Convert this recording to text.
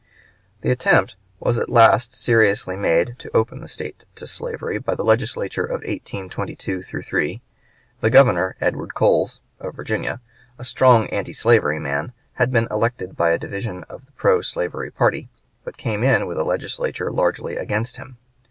The attempt was at last seriously made to open the State to slavery by the Legislature of 1822 3. The Governor, Edward Coles, of Virginia, a strong antislavery man, had been elected by a division of the pro slavery party, but came in with a Legislature largely against him.